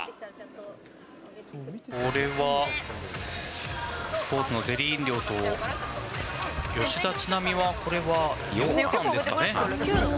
これは、スポーツのゼリー飲料と、吉田知那美は、これはようかんですかね。